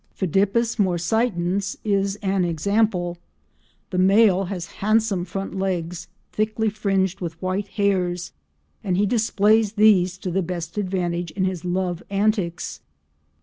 Phidippus morsitans is an example. The male has handsome front legs, thickly fringed with white hairs, and he displays these to the best advantage in his love antics.